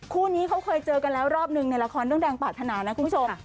คู่นี้เขาเคยเจอกันแล้วรอบหนึ่งในละครเรื่องแดงปรารถนานะคุณผู้ชม